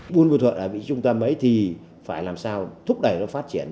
buôn ma thuột là vị trung tâm ấy thì phải làm sao thúc đẩy nó phát triển